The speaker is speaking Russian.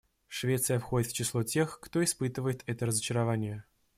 Швеция входит в число тех, кто испытывает это разочарование.